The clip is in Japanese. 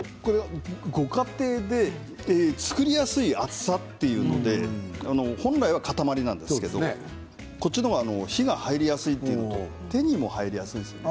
ご家庭で作りやすい厚さというので本来は塊なんですけれどもこちらの方が火が入りやすいということと手にも入りやすいですね。